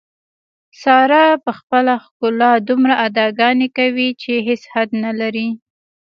ساره په خپله ښکلا دومره اداګانې کوي، چې هېڅ حد نه لري.